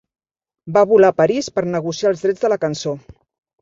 Va volar a París per negociar els drets de la cançó.